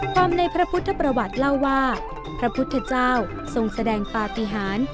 ความในพระพุทธประวัติเล่าว่าพระพุทธเจ้าทรงแสดงปฏิหาร